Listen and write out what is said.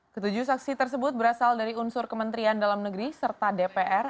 ketujuh saksi tersebut berasal dari unsur kementerian dalam negeri serta dpr